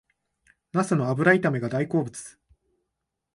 ナスの油炒めが大好物